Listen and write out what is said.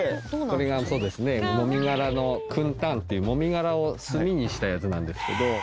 これがそうですねもみ殻の燻炭っていうもみ殻を炭にしたやつなんですけど。